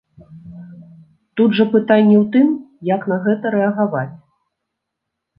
Тут жа пытанне ў тым, як на гэта рэагаваць.